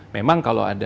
memang kalau ada